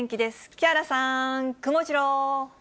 木原さん、くもジロー。